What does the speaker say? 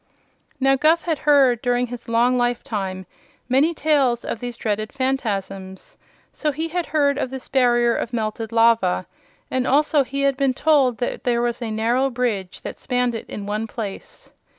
Now Guph had heard, during his long lifetime, many tales of these dreaded Phanfasms; so he had heard of this barrier of melted lava, and also he had been told that there was a narrow bridge that spanned it in one place.